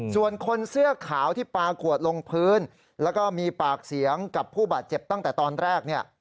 ส่วนคนเสื้อขาวที่ปลาขวดลงพื้นแล้วก็มีปากเสียงกับผู้บาดเจ็บตั้งแต่ตอนแรกเนี่ย